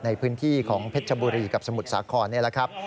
ในพื้นที่ของเพชรชบุรีกับสมุทรสาครนี่แหละครับ